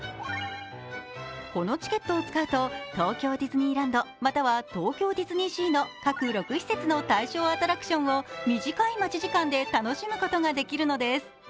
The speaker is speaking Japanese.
このチケットを使うと、東京ディズニーランドまたは東京ディズニーシーの各６施設の対象アトラクションを短い待ち時間で楽しむことができるのです。